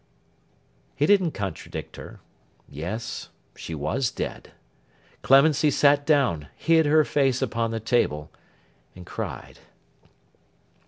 He didn't contradict her; yes, she was dead! Clemency sat down, hid her face upon the table, and cried.